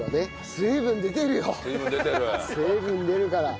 水分出るから。